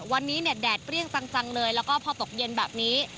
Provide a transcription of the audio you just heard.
วันนี้เนี่ยแดดเปรี้ยงจังเลยแล้วก็พอตกเย็นแบบนี้